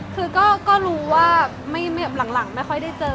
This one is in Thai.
คือก็รู้ว่าหลังไม่ค่อยได้เจอ